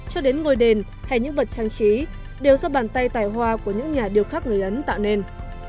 cho đến ngôi đền hay những vật trang trí đều do bàn tay tài hoa của những nhà điều khác người ấn tạo nên